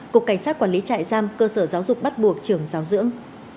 cục cảnh sát quản lý trại giam cơ sở giáo dục bắt buộc trường giáo dưỡng